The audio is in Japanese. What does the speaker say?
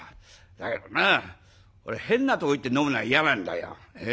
だけどな俺変なとこ行って飲むのは嫌なんだよ。